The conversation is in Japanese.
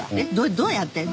どうやって？